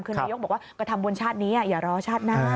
คือนายกบอกว่าก็ทำบุญชาตินี้อย่ารอชาติหน้า